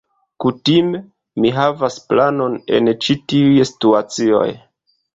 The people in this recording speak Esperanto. Kutime, mi havas planon en ĉi tiuj situacioj.